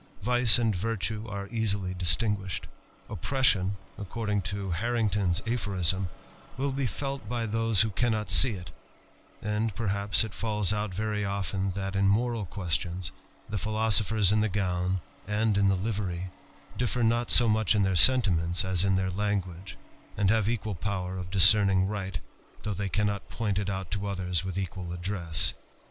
Vice and virtue are easily distin guished. Oppression, according to Harrington's aphorism, ¥rill be felt by those who cannot see it : and, perhaps, It falls out very often that, in moral questions, the phiiosophers in the gown, and in the livery, differ not so mach in their sentiments, as in their language, and have equal power of discerning right, though they cannot point it ootlo Others with equal address.